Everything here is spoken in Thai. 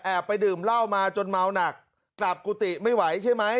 ไปดื่มเหล้ามาจนเมาหนักกลับกุฏิไม่ไหวใช่ไหม